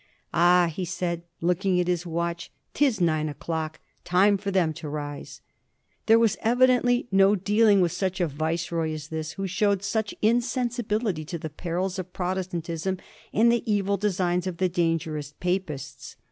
* Ah,' he said, looking at his watch, f 'tis nine o'clock — time for them to rise 1' There was evidently no dealing with such a viceroy as this, who showed such insensibility to the perils of Protestantism and the evil designs of the dangerous Papists.